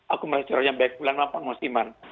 akumulasi surau hujan baik bulan maupun musiman